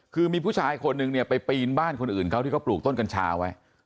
คือมีผู้ชายคนนึงเนี่ยไปปีนบ้านคนอื่นเขาที่เขาปลูกต้นกัญชาไว้